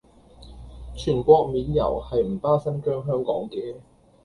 全國免郵係唔包新疆香港嘅